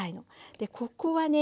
でここはね